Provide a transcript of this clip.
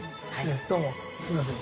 どうもすみません。